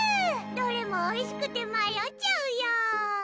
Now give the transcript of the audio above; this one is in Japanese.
どれもおいしくてまよっちゃうよ